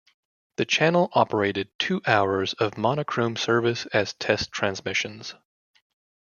The channel operated two hours of monochrome service as test transmissions.